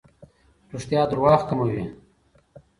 رښتیا درواغ کموي.